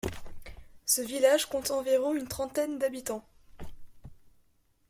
Ce village compte environ une trentaine d'habitants.